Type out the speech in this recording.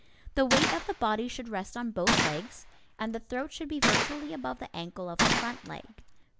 The weight of the body should rest on both legs, and the throat should be virtually above the ankle of the front leg.